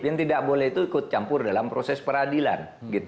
yang tidak boleh itu ikut campur dalam proses peradilan